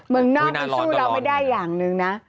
เมืองนอกมันสู้เราไม่ได้อย่างหนึ่งนะ